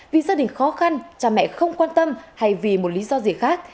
vì gia đình khó khăn cha mẹ không quan tâm hay vì một lý do gì khác